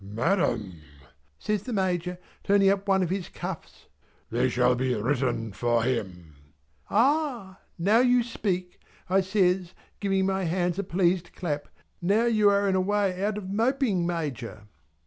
"Madam" says the Major, turning up one of his cuffs, "they shall be written for him." "Ah! Now you speak" I says giving my hands a pleased clap. "Now you are in a way out of moping Major!"